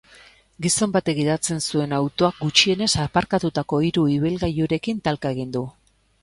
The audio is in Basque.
Gizon batek gidatzen zuen autoak gutxienez aparkatutako hiru ibilgailurekin talka egin du.